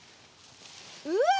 うわ！